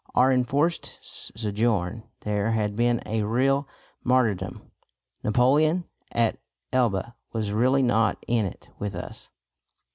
Our enforced sojourn there had been a real martyrdom. Napoleon at Elba was really not in it with us.